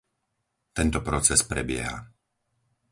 Tento proces prebieha.